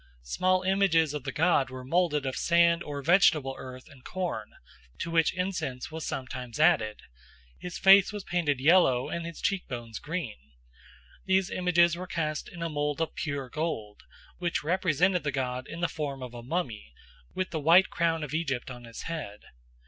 Small images of the god were moulded of sand or vegetable earth and corn, to which incense was sometimes added; his face was painted yellow and his cheek bones green. These images were cast in a mould of pure gold, which represented the god in the form of a mummy, with the white crown of Egypt on his head.